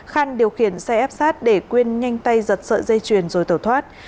khan điều khiển xe ép sát để quyên nhanh tay giật sợi dây chuyền rồi tẩu thoát